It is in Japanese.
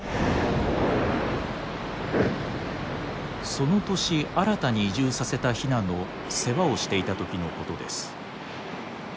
その年新たに移住させたヒナの世話をしていた時のことです。